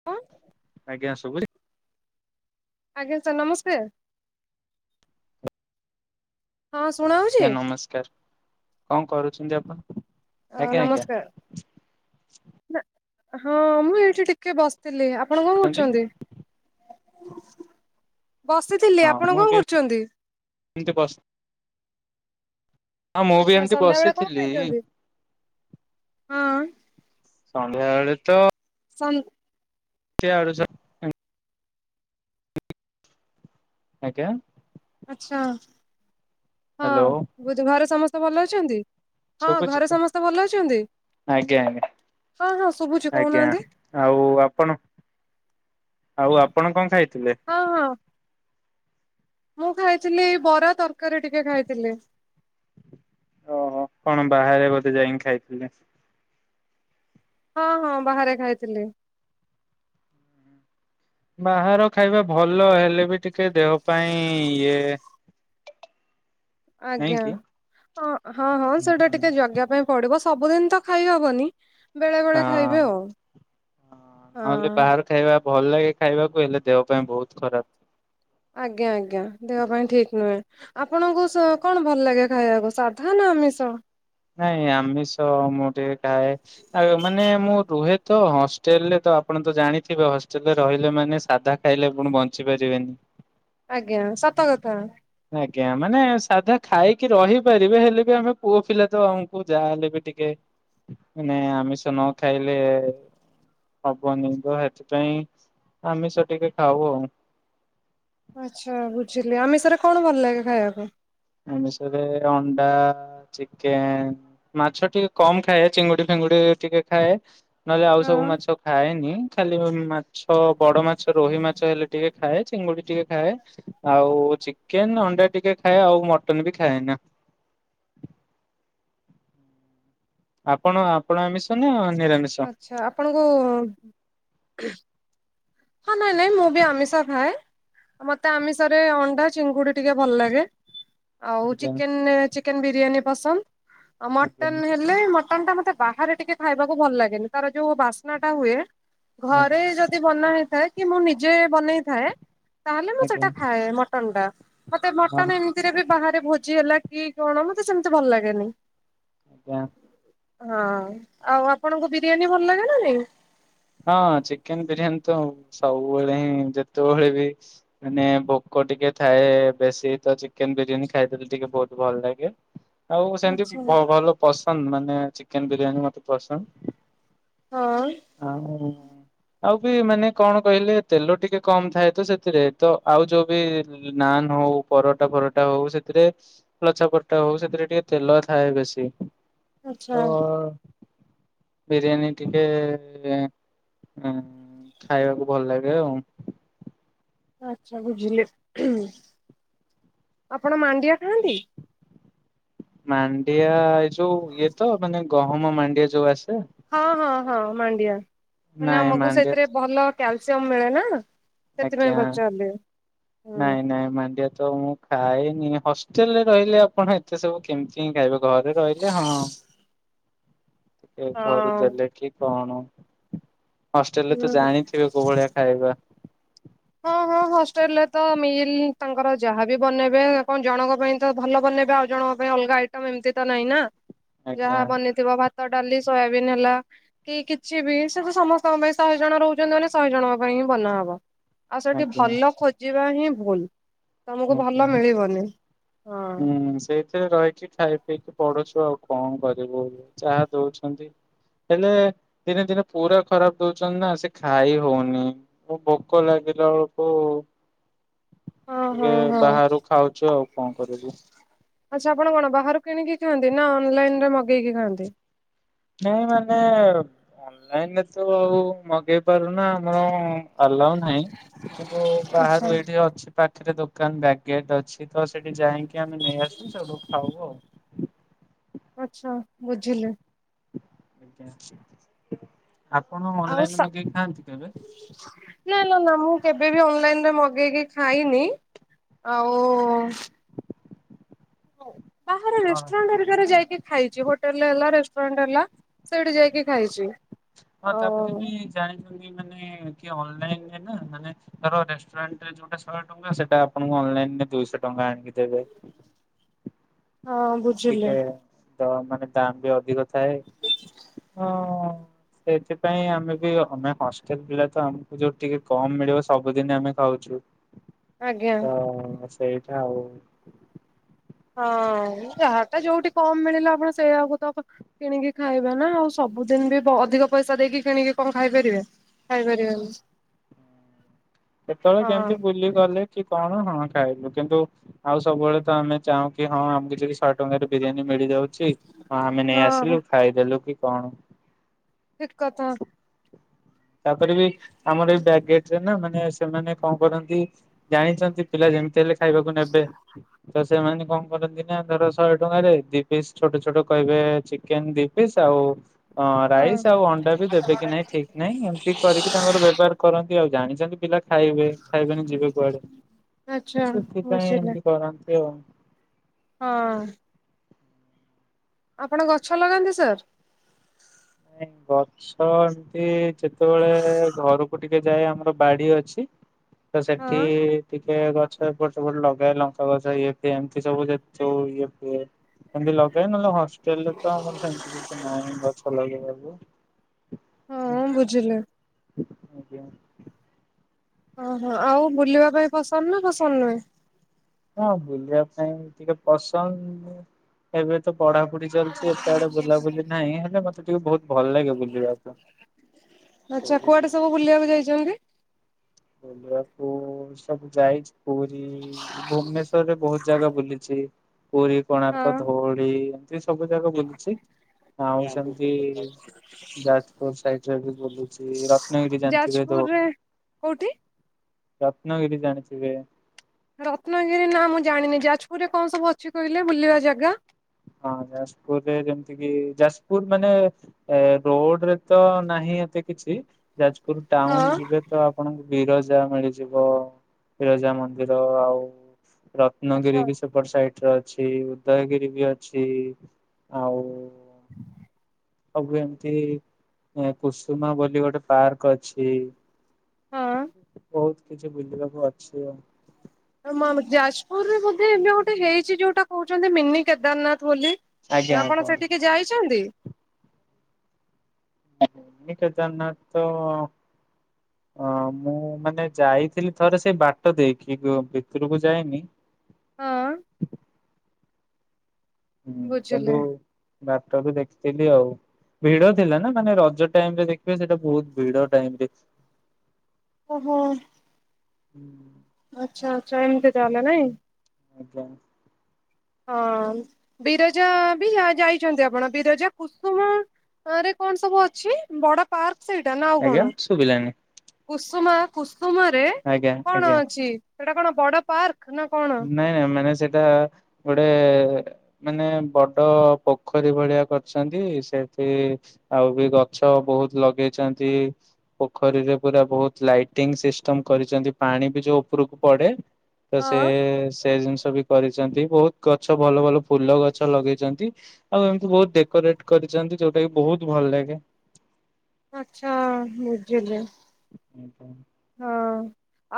[unintelligible] ଆଜ୍ଞା ସବୁଛି? ଆଜ୍ଞା ସାର୍ ନମସ୍କାର। ହଁ ଶୁଣଉ [unintelligible] ନମସ୍କାର। କଣ କରୁଛନ୍ତି ଆପଣ? ହ ଆଜ୍ଞା ଆଜ୍ଞା ନମସ୍କାର। [unintelligible] ହଁ ମୁଁ ଏଇଠି ଟିକେ ବସିଥିଲି। ଆପ ଆପଣ କଣ କରୁଛନ୍ତି? ବସିଥିଲି ହଁ ଆପଣ ମୁଁ କଣ ବି କରୁଛନ୍ତି? [unintelligible] ହଁ ମୁଁ ବି ଆଚ୍ଛା ଏମିତି ସନ୍ଧ୍ୟା ବେଳେ କଣ ବସିଥିଲି ଖାଇଛନ୍ତି? ହଁ। ସନ୍ଧ୍ୟାବେଳେ ତ [unintelligible] [unintelligible] ଆଜ୍ଞା? ଆଛା, ହଁ, ହ୍ୟାଲୋ ବୋଧୁ [unintelligible] ସମସ୍ତେ ଭଲ ଅଛନ୍ତି? ହଁ ଶୁଭୁଚି ତ ଘରେ ସମସ୍ତେ ଭଲ ଅଛନ୍ତି? ଆଜ୍ଞା ଆଜ୍ଞା ହଁ ହଁ ଶୁଭୁଛି, ଆଜ୍ଞା କହୁନାହାନ୍ତି? ଆଉ ଆପଣ, ଆଉ ଆପଣ କଣ ଖାଇଥିଲେ? ହଁ ହଁ। ମୁଁ ଖାଇଥିଲି ଏଇ ବରା ତରକାରୀ ଟିକେ ଖାଇଥିଲି। ଓହୋ। କଣ ବାହାରେ ବୋଧେ ଯାଇକି ଖାଇଥିଲେ? ହଁ ହଁ ବାହାରେ ଖାଇଥିଲି। ବାହାର ଖାଇବା ଭଲ ହେଲେ ବି ଟିକେ ଦେହ ପାଇଁ ଇଏ। ନାଇଁ ଆଜ୍ଞା, କି? ହଁ ହଁ ହଁ ସେଟା ଟିକେ ଜଗିବା ପାଇଁ ପଡିବ, ସବୁଦିନ ତ ଖାଇ ହବନି। ବେଳେ ବେଳେ ହଁ। ଖାଇବି ଆଉ, ହଁ। ସେଇବା ଖାଇବା ଭଲ ଲାଗେ ଖାଇବାକୁ ହେଲେ ଦେହ ପାଇଁ ବହୁତ ଖରାପ। ଆଜ୍ଞା ଆଜ୍ଞା ଦେହ ପାଇଁ ଠିକ ନୁହେଁ। ଆପଣଙ୍କୁ ସ କଣ ଭଲ ଲାଗେ ଖାଇବାକୁ ସାଧା ନା ଆମିଷ? ନାଇଁ ଆମିଷ ମୁଁ ଟିକେ ଖାଏ। ଆ- ମାନେ ମୁଁ ରୁହେ ତ ହଷ୍ଟେଲରେ ତ ଆପଣ ତ ଜାଣିଥିବେ ହଷ୍ଟେଲରେ ରହିଲେ ମାନେ ସାଧା ଖାଇଲେ ପୁଣି ବଞ୍ଚି ପାରିବେନି। ଆଜ୍ଞା -ସତ କଥା। ଆଜ୍ଞା ମାନେ ସାଧା ଖାଇକି ରହିପାରିବେ ହେଲେ ବି ଆମେ ପୁଅ ପିଲା ତ ଆମକୁ ଯାହାହଲେ ବି ଟିକେ ମାନେ ଆମିଷ ନ ଖାଇଲେ ହବନି ତ ଏଥିପାଇଁ ଆମିଷ ଟିକେ ଖାଉ ଆଉ। ଆଚ୍ଛା ବୁଝିଲି ଆମିଷରେ କଣ ଭଲ ଲାଗେ ଖାଇବା ପାଇଁ? ଆମିଷରେ ଅଣ୍ଡା ଚିକେନ୍, ମାଛ ଟିକେ କମ୍ ଖାଏ ଚିଙ୍ଗୁଡି ଫିଙ୍ଗୁଡି ଟିକେ ଖାଏ। ନହେଲେ ଆଉ ସବୁ ହଁ ମାଛ ଖାଏନି ଖାଲି ଉଁ-ମା ମାଛ ବଡ ମାଛ ରୋହି ମାଛ ହେଲେ ଟିକେ ଖାଏ ଚିଙ୍ଗୁଡି ଟିକେ ଖାଏ। ଆଉ ଚିକେନ୍, ଅଣ୍ଡା ଟିକେ ଖାଏ ଆଉ ମଟନ୍ ବି ଖାଏ ନା। ଆପଣ- ଆପଣ ଆମିଷ ନା ନିରାମିଷ? ଆଛା ଆପଣଙ୍କୁ ହଁ [unintelligible] ମୁଁ ବି ଆମିଷ ଖାଏ। ମତେ ଆମିଷରେ ଅଣ୍ଡା, ଚିଙ୍ଗୁଡି ଟିକେ ଭଲ ଲାଗେ। ଆଉ ଆଜ୍ଞା ଚିକେନେ- ଚିକେନ୍ ବିରିୟାନୀ ପସନ୍ଦ୍ ଆଉ ଆଜ୍ଞା ମଟନ୍ ହେ ହେଲେ ମଟନ୍ ଟା ମତେ ବାହାରେ ଟିକେ ଖାଇବାକୁ ଭଲ ଲାଗେନି ତାର ଯଉ ବାସ୍ନା ଟା ହୁଏ ଆଜ୍ଞା ଘରେ ଯଦି ବନା ହେଇଥାଏ କି ମୁଁ ନିଜେ ବନେଇଥାଏ ତାହେଲେ ମୁଁ ଆଜ୍ଞା ସେଟା ଖାଏ ମଟନ୍ ଟା ମତେ ହଁ ମଟନ୍ ଏମ୍ ସେରେ ବି ବାହାରେ ଭୋଜି ହେଲା କି କଣ ମତେ ସେମିତି ଭଲ୍ ଲାଗେନି। ଜ୍ଞା। ହଁ ଆଉ ଆପଣଙ୍କୁ ବିରିୟାନୀ ଭଲ୍ ଲାଗେ ନା ନାଇଁ? ହଁ ଚିକେନ୍ ବିରିୟାନୀ ତ ସବୁବେଳେ ହିଁ ଯେତେବେଳେ ବି ମାନେ ଭୋକ ଟିକେ ଥାଏ ବେଶୀ ତ ଚିକେନ୍ ବିରିୟାନୀ ଖାଇଦେଲେ ଟିକେ ବହୁତ୍ ଭଲ ଲାଗେ। ଆଉ ଆଚ୍ଛା। ସେମିତି ଭ-ଭଲ ପସନ୍ଦ୍ ମାନେ ଚିକେନ୍ ବିରିୟାନୀ ମତେ ପସନ୍ଦ୍। ହଁ। [unintelligible] ଆଉ ବି ମାନେ କଣ କହିଲେ ତେଲ ଟିକେ କମ୍ ଥାଏ ତ ସେଥିରେ ତ ଆଉ ଯଉ ବି ନାନ୍ ହଉ ପରଟା ଫରଟା ହଉ ସେଥିରେ ଲଛା ପରଟା ହଉ ସେଥିରେ ଟିକେ ତେଲ ଥାଏ ବେଶୀ। ଆଚ୍ଛା ତ ବିରିୟାନୀ ଟିକେ ଏଁ- ଖାଇବାକୁ ଭଲ ଲାଗେ ଆଉ। ଆଚ୍ଛା ବୁଝିଲି -ଆପଣ ମାଣ୍ଡିଆ ଖାଆନ୍ତି? ମାଣ୍ଡିଆ ଏ ଯଉ ଇଏ ତ ମାନେ ଗହମ ମାଣ୍ଡିଆ ଯଉ ଆସେ? ହଁ- ହଁ -ହଁ ମାଣ୍ଡିଆ ମାନେ ନାଇଁ ଆମକୁ ମାଣ୍ଡିଆ ତ ସେଥିରେ ଭଲ କ୍ୟାଲସିୟମ ମିଳେ ନା। ଆଜ୍ଞା ସେଥିପାଇଁ ପଚାରିଲି। ହଁ ନାଇଁ ନାଇଁ ମାଣ୍ଡିଆ ତ ମୁଁ ଖାଇନି ହଷ୍ଟେଲ୍ ରେ ତ ରହିଲେ ଆପଣ ଏତେ ସବୁ କେମିତି ହିଁ ଖାଇବ ଘରେ ରହିଲେ ହଁ ଟିକେ ଘରୁ ହଁ ଦେଲେ କି କଣ ହଷ୍ଟେଲ୍ ରେ ତ ହୁଁ। ଜାଣିଥିବ କଉଭଳିଆ ଖାଇବା। ହଁ- ହଁ। ହଷ୍ଟେଲ୍ ରେ ତ ମିଲ୍ ତାଙ୍କର ଯାହାବି ବନେଇବେ କଣ ଜଣଙ୍କ ପାଇଁ ତ ଭଲ ବନେଇବେ ଆଉ ଜଣଙ୍କ ପାଇଁ ଅଲଗା ଆଇ ଟମ୍ ଏମତି ତ ନାହିଁ ନା ଆଜ୍ଞା ଯାହା ବନିଥିବ ଭାତ, ଡାଲି, ସୋୟାବିନ୍ ହେଲା କି କିଛି ବି ସେତ ସମସ୍ତଙ୍କ ପାଇଁ ଶହେ ଜଣ ରହୁଚନ୍ତି ମାନେ ଶହେ ଜଣଙ୍କ ପାଇଁ ହିଁ ବନା ହବ। ଆଉ ସେଠି ଆଜ୍ଞା ଭଲ ଖୋଜିବାହିଁ ଭୁଲ୍ ତମକୁ ଭଲ ଆଜ୍ଞା ମିଳିବନି ହଁ। ହୁଁ ସେ ସେ ରହିକି ଖାଇ ପିଇକି ପଢୁଛୁ ଆଉ କଣ କରିବୁ ଯାହା ଦଉଛନ୍ତି। ହେଲେ ଦିନେ ଦିନେ ପୁରା ଖରାପ୍ ଦଉଛନ୍ତିନା ସେ ଖାଇ ହଉନି। ମୋ ଭୋକ ଲାଗିଲା ବେଳକୁ ହଁ ଟିକେ ହଁ ହଁ ବାହାରୁ ଖାଉଚୁ ଆଉ କଣ କରିବୁ? ଆଚ୍ଛା, ଆପଣ କଣ ବାହାରୁ କିଣିକି ଖାଆନ୍ତି ନା ଅନଲାଇନରେ ମଗେଇକି ଖାଆନ୍ତି? ନାଇଁ ମାନେ ଅନଲାଇନରେତ ଆଉ ମଗେଇ ପାରୁନା ଆମର ଆଲାଉ ନାହିଁ କିନ୍ତୁ ଆଚ୍ଛା ବାହାରୁ ଏଇଠି ଅଛି ପାଖରେ ଦୋକାନ ବ୍ୟାଗେଟ ଅଛି ତସେଠି ଯାଇକି ଆମେ ନେଇ ଆସୁ ସେଇଠୁ ଖାଉ ଆଉ। ଆଚ୍ଛା ବୁଝିଲି। ଆଜ୍ଞା ଆପଣ ଆଉ ଅନଲାଇନରେ ସା ମଗେଇ ଖାଆନ୍ତି କେବେ? ନା ନା ନା ମୁଁ କେବେବି ଅନଲାଇନରେ ମଗେଇକି ଖାଇନି ଆଉ ବାହାର କଣ? ରେଷ୍ଟ୍ରୁରାଣ୍ଡ ରେ ଯାଇକି ଖାଇଛି ହୋଟେଲରେ ହେଲା ରେଷ୍ଟୁରାଣ୍ଡ ହେଲା ସେଇଠି ଯାଇକି ଖାଇଛି। ହଁ ଓ। ତାପରେବି ଜାଣିଛନ୍ତି ମାନେକି ଅନଲାଇନରେ ନା ମାନେ ଧର ରେଷ୍ଟୁରାଣ୍ଟରେ ଯୋଉଟା ଶହେ ଟଙ୍କା ସେଟା ଆପଣଙ୍କୁ ଅନଲାଇନରେ ଦୁଇଶହ ଟଙ୍କା ଆଣିକି ଦେବେ ହଁ ବୁ ଟିକେ ତ ମାନେ ଦାମବି ଅଧିକ ଥାଏ ହ ସେଥିପାଇଁ ଆମେବି ଆମେ ହଷ୍ଟେଲ ପିଲାତ ଆମକୁ ଯୋଉ ଟିକେ କମ୍ ମିଳିବ ସବୁଦିନ ଆମେ ଖାଉଛୁ ଆଜ୍ଞା ତ ସେଇଟା ଆଉ। ହଁ ଯାହାତ ଯୋଉଠି କମ୍ ମିଳିଲା ଆପଣ ସେଇଆକୁ ତ କିଣିକି ଖାଇବାନା ଆଉ ସବୁଦିନବି ଅଧିକ ପଇସା ଦେଇକି କିଣିକି କଁ ଖାଇପାରିବେ? ଖାଇପାରିବାନି। ହୁଁ କେତେବେଳେ ହଁ କେମିତି ବୁଲିଗଲେକି କଣ ହଁ ଖାଇଲୁ କିନ୍ତୁ ଆଉ ସବୁବେଳେତ ଆମେ ଚାହୁଁକି ହଁ ଆମକୁ କିଛି ଶହେ ଟଙ୍କାରେ ବିରିୟାନୀ ମିଳିଯାଉଛି ହଁ ଆମେ ହଁ ନେଇଆସିଲୁ ଖାଇଦେଲୁ କି କଣ? ଠିକ୍ କଥା। ତାପରେବି ଆମର ଏଇ ବ୍ୟାକ୍ ଗେଟରେନା ମାନେ ସେମାନେ କଣ କରନ୍ତି ଜାଣିଛନ୍ତି ପିଲା ଯେମିତି ହେଲେ ଖାଇବାକୁ ନେବେ ତ ସେମାନେ କଣ କରନ୍ତିନା ଧର ଶହେ ଟଙ୍କାରେ ଦି ପିସ୍ ଛୋଟ ଛୋଟ କହିବେ ଚିକେନ୍ ଦି ପିସ୍ ଆଉ ହଁ, ରାଇସ୍ ଆଉ ଅଣ୍ଡାବି ଦେବେକି ନାଇଁ ଠିକ୍ ନାଇଁ ଏମିତି କରିକି ତାଙ୍କର ବେପର୍ କରନ୍ତି ଆଉ ଜାଣିଚନ୍ତି ପିଲା ଖାଇବେ ଖାଇବେନି ଯିବେ କୁଆଡ଼େ ଆଚ୍ଛା ସେଥିପାଇଁ ବୁଝିଲି। ଏମିତି କରନ୍ତି ଆଉ। ହଁ। ଆପଣ ଗଛ ଲଗାନ୍ତି ସାର୍? ନାଇଁ ଗ ଛ ଏମତି ଯେତେବେଳେ ଘରକୁ ଟିକେ ଯାଏ ଆମର ବାଡ଼ି ଅଛି ତ ହଁ ସେଠି ଟିକେ ଗଛ ଏପଟେ ସେପଟେ ଲଗାଏ ଲଙ୍କା ଗଛ ଇଏ ଫିଏ ଏମିତି ସବୁ ଯୋଉ ଇଏ ଫିଏ ଏମିତି ଲଗାଏ ନହେଲେ ହଷ୍ଟେଲରେତ ଆମର ସେମିତି କିଛି ନାହିଁ ଗଛ ଲଗେଇବାକୁ। ହୁଁ। ହଁ ବୁଝିଲେ। ଆଜ୍ଞା। ଓହୋ, ଆଉ ବୁଲିବା ପାଇଁ ପସନ୍ଦନା ପସନ୍ଦ ନୁହେଁ? ହଁ ବୁଲିବା ପାଇଁ ଟିକେ ପସନ୍ଦ। ଏବେ ତ ପଢାପଢି ଚାଲିଛି ଏତେ ଆଡେ ବୁଲାବୁଲି ନାହିଁ, ହେଲେ ମତେ ଟିକେ ବହୁତ ଭଲ ଲାଗେ ବୁଲିବାକୁ। ଆଚ୍ଛା କୁଆଡେ ସବୁ ବୁଲିବାକୁ ଯାଇଛନ୍ତି? ବକୁ ସବୁ ଯାଇଛି ପୁରୀ, ଭୁବନେଶ୍ଵରରେ ବହୁତ ଜାଗା ବୁଲିଛି। ପୁରୀ, କୋଣାର୍କ, ହଁ। ଧଉଳି ଏମିତି ସବୁ ଜାଗା ବୁଲିଛି, ଆଉ ସେମିତି ଯାଜପୁର ସାଇଡ ରେ ବି ବୁଲିଛି, ରତ୍ନାଗିରି ଜାଣିଥିବେ ତ? କଉଠି? ରତ୍ନଗିରି ଜାଣିଥିବେ। ରତ୍ନଗିରି ନା ମୁଁ ଜାଣିନି ଯାଜପୁରରେ କଣ ସବୁ ଅଛି କହିଲେ ବୁଲିବା ଜାଗା? ହଁ ଯାଜପୁରରେ ଯେମିତି କି ଯାଜପୁର ମାନେ ଏ ରୋଡରେ ତ ନାହିଁ ଏତେ କିଛି ଯାଜପୁର ଟାଉନ ହଁ ଯିବେ ତ ଆପଣଙ୍କୁ ବିରଜା ମିଳିଯିବ, ବିରଜା ମନ୍ଦିର ଆଉ ଆଚ୍ଛା। ରତ୍ନଗିରି ବି ସେପଟ ସାଇଟରେ ଅଛି, ଉଦୟଗିରି ବି ଅ ଛି ଆଉ ହଁ ସବୁ ଏମତି, କୁସୁମା ବୋଲି ଗୋଟେ ପାର୍କ ଅଛି। ହଁ। ବହୁତ କିଛି ବୁଝିବାକୁ ଅଛି ଆଉ। [unintelligible] ଯାଜପୁରରେ ବୋଧେ ଏବେ ଗୋଟେ ହେଇଛି ଯୋଉଟା କହୁଛନ୍ତି ମିନି କେଦାରନାଥ ବୋଲି? ଆଜ୍ଞା ଆପଣ ଆଜ୍ଞା। ସେଠିକି ଯାଇଛନ୍ତି? ମି କେଦାରନା ତ ହଁ ମୁଁ ମାନେ ଯାଇଥିଲି ଥରେ ସେ ବାଟ ଦେଇକି ଭିତରକୁ ଯାଇନି। ହଁ। ହୁଁ ବୁଝିଲେ। କିନ୍ତୁ ବାଟବି ଦେଖିଥିଲି ଆଉ ଭିଡ ଥିଲା ନା ମାନେ ରଜ ଟାଇମ ରେ ଦେଖିବେ ସେଇଟା ବହୁତ ଭିଡ ଟାଇମରେ ଓହୋ। ହୁଁ। ଆଚ୍ଛା ଆଛା, ଏମିତି ତାହାଲେ ନାଇଁ। ଆଜ୍ଞା। ହଁ ବିରଜା ବି ଯା ଯାଇଛନ୍ତି ଆପଣ ବିରଜା, କୁସୁମ! ଆ ରେ କଣ ସବୁ ଅଛି, ବଡ ପାର୍କ ସେଇଟା ନା ଆଉ ଆଜ୍ଞା କଣ? ଶୁଭିଲାନି କୁସୁମା କୁସୁମରେ ଆଜ୍ଞା କଣ ଆଜ୍ଞା। ଅଛି ସେଟା କଣ ବଡ ପାର୍କ ନା? କଣ? ନାଇଁ ମାନେ ସେଇଟା ଗୋଟେ ମାନେ ବଡ ପୋଖରୀ ଭଳିଆ କରିଛନ୍ତି, ସେଠି ଆଉ ବି ଗଛ ବହୁତ ଲଗେଇଛନ୍ତି। ପୋଖରୀରେ ପୁରା ବହୁତ ଲାଇଟିଙ୍ଗ ସିଷ୍ଟମ କରିଛନ୍ତି, ପାଣି ବି ଯୋଉ ଉପରକୁ ପଡେ ତ ସେ ହଁ। ସେ ଜିନିଷ ବି କରିଛନ୍ତି ବହୁତ ଗଛ ଭଲ ଭଲ ଫୁଲ ଗଛ ଲଗେଇଛନ୍ତି। ଆଉ ଏମିତି ବହୁତ ଡେକୋରେଟ କରିଛନ୍ତି, ଯୋଉଟା କି ବହୁତ ଭଲ ଲାଗେ। ଆଛା ବୁଝୁିଲି। ଉହୁଁ। ହଁ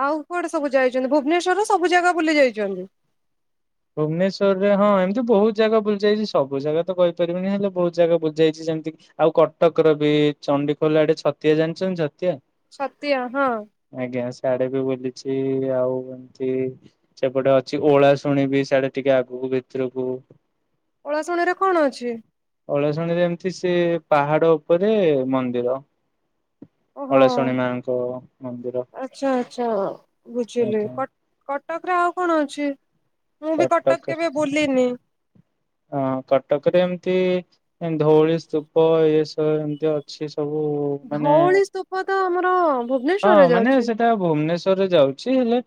ଆଉ କୁଆଡେ ସବୁ ଯାଇଛନ୍ତି, ଭୁବନେଶ୍ଵରରେ ସବୁ ଜାଗା ବୁଲି ଯାଇଛନ୍ତି? ଭୁବନେଶ୍ୱରରେ, ହଁ ଏମିତି ବହୁତ ଜାଗା ବୁଲିଯାଇଛି, ସବୁ ଜାଗା ତ କହିପାରିବିନି ହେଲେ ବହୁତ ଜାଗା ବୁଲିଯାଇଛି, ଯେମତି କି? ଆଉ କଟକର ବି ଚଣ୍ଡିଖୋଲା ଆଡେ ଛତିଆ ଜାଣିଛନ୍ତି ଛତିଆ? ଛତିଆ ହଁ। ଆଜ୍ଞା, ସିଆଡେ ବି ବୁଲିଛି ଆଉ ଏମତି ସେପଟେ ଅଛି ଓଳାଷ ଶୁଣିବି ସିଆଡେ ଟିକେ ଆଗକୁ ଭିତୁରୁକୁ। ଓଳାଶୁଣିରେ କଣ ଅଛି? ଓଳାଶୁଣୀରେ ଏମ୍ତି ସେ ପାହାଡ ଉପରେ ମନ୍ଦିର। ଓହୋ ଓଳଶୁଣୀମାଙ୍କ ମନ୍ଦିର ଆଜ୍ଞା। କଟକ୍ ରେ ଆଉ କଣ ଅଛି ମୁଁ ବି କଟକ କେବେ ବୁଲିନି? ହଁ କଟକରେ ଏମତି ଧୋଳି ସ୍ତୂପ ଏସବୁ ଏମତି ଅ ଛି ସବୁ ମାନେ ଧଉଳି ସ୍ତୂପ ତ ଆମର ହଁ ଭୁବନେଶ୍ଵରରେ ମାନେ ଯାଉଛି ସେ ଭୁବନେଶ୍ୱରରେ ଯାଉଛି ହେଲେ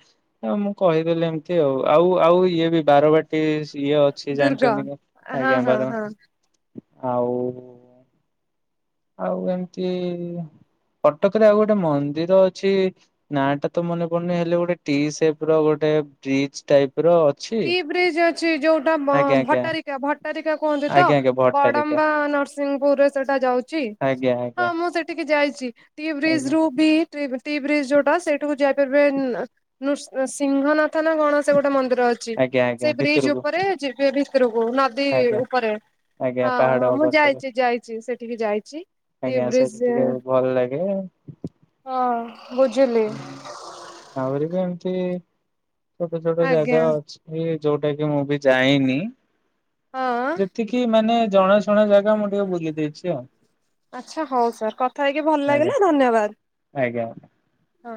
ଆ ମୁଁ କହିଦେଲି ଏମିତି ଆଉ ଆଉ ଆଉ ଇଏ ବି ବାରବା ଚି ଇଏ ଅଛି ଦୁର୍ଗା। ଜାଣିଛନ୍ତି କି ହଁ ଆଜ୍ଞା ହଁ ବାର ହଁ ଆଉ ଆଉ ଏମ୍ତି କଟକ୍ ରେ ଆଉ ଗୋଟେ ମନ୍ଦିର ଅଛି ନା ଟା ତ ମନେ ପଡୁନି ହେଲେ ଗୋଟେ ଟି ସେପ୍ ର ଗୋଟେ ବ୍ରିଜ୍ ଟାଇପ୍ ର। ଅଛି। ଟି ବ୍ରିଜ୍ ଅଛି ଯୋଉଟା ଆଜ୍ଞା ଆଜ୍ଞା ଭଟାରିକା ଭଟାରିକା କୁହନ୍ତି ତ? ଆଜ୍ଞା ଆଜ୍ଞା ଭଟ୍ଟାରିକା ବଡମ୍ବା ନସ୍ ସିଂପୁର୍ ରେ ସେଟା ଯାଉଚି ଆଜ୍ଞା ହଁ ଆଜ୍ଞା ମୁଁ ସେଠିକି ଯାଇଚି ଟିକେ ବ୍ରିଜ୍ ଆଜ୍ଞା। ରୁ ବି ଟି ବ୍ରିଜ୍ ଯୋଉଟା ସେଇଠୁକୁ ଯାଇପାରିବେ ନ୍ରୃ ସିଂହନାଥ ନା କଣ ସେ ଗୋଟେ ମନ୍ଦିର ଅଛି ଆଜ୍ଞା ଆଜ୍ଞା ସେଇ ବ୍ରିଜ ଭିତରକୁ ଉପରେ ଜେ ଭିତରକୁ ନଦୀ ଆଜ୍ଞା ଉପରେ ଆଜ୍ଞା ହଁ ପାହାଡ ହଁ ମୁଁ ପଛରେ ଯାଇଚି ଯାଇଚି ସେଠିକି ଯାଇ ଚି ଆଜ୍ଞା ସେଇଠି ଟିକେ ଭଲ୍ ଲାଗେ। ହଁ ବୁଝିଲି। ଆହୁରି ବି ଏମ୍ତି ଛୋଟ ଛୋଟ ଆଜ୍ଞା ଜାଗା ଅଛି। ଏ ଯୋଉଟା କି ମୁଁ ବି ଜାଇନି ହଁ। ଯେତିକି ମାନେ ଜଣା ଶୁଣ ଜାଗା ମୁଁ ଟିକେ ବୁଲି ଦେଇଚି ଆଉ। ଆଚ୍ଛା ହୋଉ ସାର୍ କଥା ହେଇକି ଭଲ ଆଜ୍ଞା ଲାଗିଲା ଆଜ୍ଞା। ଧନ୍ୟବାଦ ହଁ।